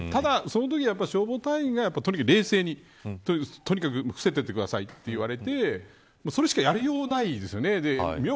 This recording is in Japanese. ただそのとき消防隊員がとにかく冷静にとにかく伏せておいてくださいと言われてそれしかやりようがないですよね。